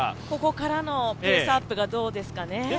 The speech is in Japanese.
ここからのペースアップがどうですかね。